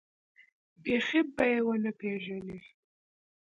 بيخي به يې ونه پېژنې.